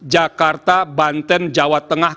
jakarta banten jawa tengah